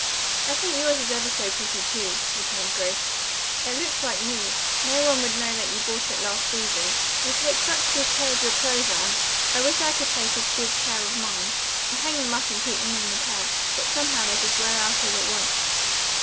"I think yours is ever so pretty, too," returned Grace. "It looks like new. No one would know that you bought it last season. You take such good care of your clothes, Anne. I wish I could take as good care of mine. I hang them up and keep them in repair, but somehow they just wear out all at once."